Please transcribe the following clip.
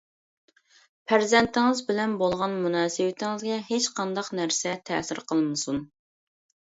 پەرزەنتىڭىز بىلەن بولغان مۇناسىۋىتىڭىزگە ھېچقانداق نەرسە تەسىر قىلمىسۇن.